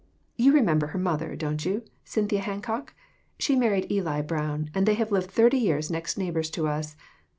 You remember her mother, don't you Cynthia Hancock? She married Eli Brown, and they have lived thirty years next neighbors to us.